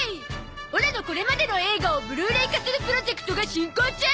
オラのこれまでの映画をブルーレイ化するプロジェクトが進行中！